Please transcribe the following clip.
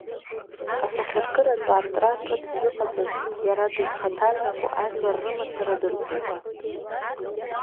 Асахьаркыратә аартра ҿыц зыҟаҵаз, иара дызхаҭарнаку ажәлар рымацара дыртәума?